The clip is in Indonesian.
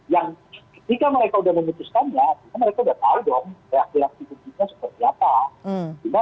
yang ketika mereka sudah memutuskannya mereka sudah tahu dong reaksi reaksi publiknya seperti apa